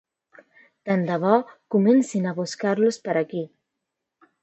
Tant de bo comencin a buscar-los per aquí.